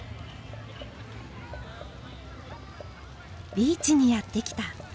ビーチにやって来た。